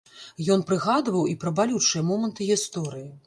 Ён прыгадваў і пра балючыя моманты гісторыі.